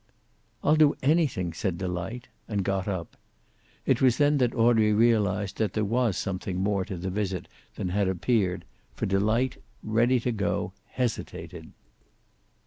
"I'll do anything," said Delight, and got up. It was then that Audrey realized that there was something more to the visit than had appeared, for Delight, ready to go, hesitated.